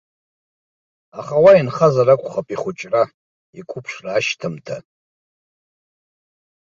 Аха уа инхазар акәхап ихәыҷра, иқәыԥшра ашьҭамҭа.